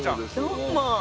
どうも。